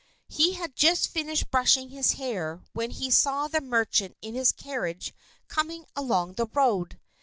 He had just finished brushing his hair when he saw the merchant in his carriage coming along the road.